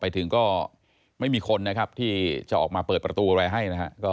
ไปถึงก็ไม่มีคนที่จะออกมาเปิดประตูอะไรให้